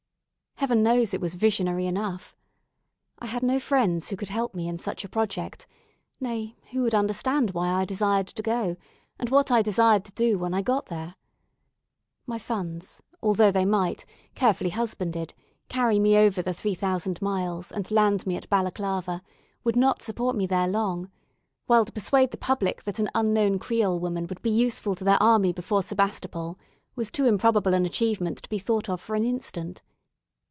Heaven knows it was visionary enough! I had no friends who could help me in such a project nay, who would understand why I desired to go, and what I desired to do when I got there. My funds, although they might, carefully husbanded, carry me over the three thousand miles, and land me at Balaclava, would not support me there long; while to persuade the public that an unknown Creole woman would be useful to their army before Sebastopol was too improbable an achievement to be thought of for an instant.